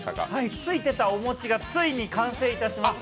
ついてたお餅がついに完成いたしまして。